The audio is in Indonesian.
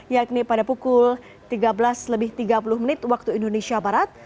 yakni pada pukul tiga belas lebih tiga puluh menit waktu indonesia barat